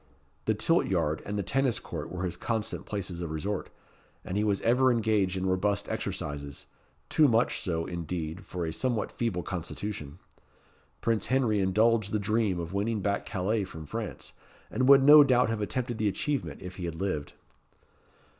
The tilt yard and the tennis court were his constant places of resort, and he was ever engaged in robust exercises too much so, indeed, for a somewhat feeble constitution. Prince Henry indulged the dream of winning back Calais from France, and would no doubt have attempted the achievement if he had lived.